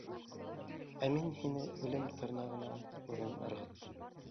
— Ә мин һине үлем тырнағына үҙем ырғыттым.